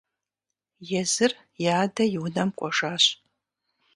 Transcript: Езыр и адэ и унэм кӀуэжащ.